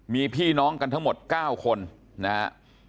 มีพี่น้องกันทั้งหมด๙คนนะฮะ